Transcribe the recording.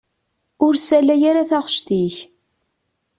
Ur ssalay ara taɣect-ik.